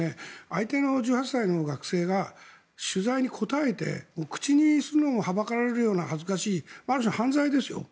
相手の１８歳の学生が取材に答えて口にするのもはばかられるような恥ずかしいある種、犯罪ですよ